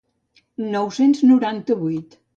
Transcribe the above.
Nou-cents noranta-vuit.